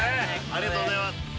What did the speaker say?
ありがとうございます。